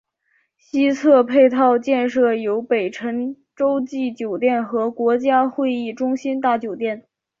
西侧配套建设有北辰洲际酒店和国家会议中心大酒店。